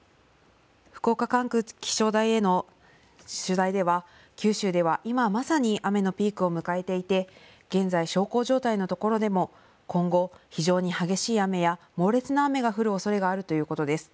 福岡管区気象台への取材では九州では今まさに雨のピークを迎えていて現在、小康状態の所でも今後、非常に激しい雨や猛烈な雨が降るおそれがあるということです。